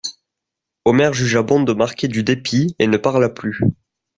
Omer jugea bon de marquer du dépit, et ne parla plus.